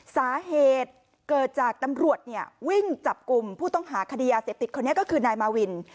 สาเหตุเกิดจากตำรวจวิ่งจับกลุ่มผู้ต้องหาคดียาเสพติดคนนี้ก็คือนายมาวิน